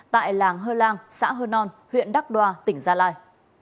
tại làng hơ lang xã hơ non huyện đắc đoa tỉnh gia lai